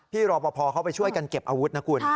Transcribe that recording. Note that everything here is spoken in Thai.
รอปภเขาไปช่วยกันเก็บอาวุธนะคุณ